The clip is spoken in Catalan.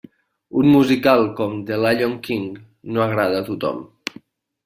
Un musical com The Lyon King no agrada a tothom.